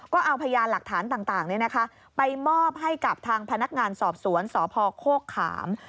ก็เอาพยานหลักฐานต่างไปมอบให้กับทางพนักงานสอบสวนสพโคกขาม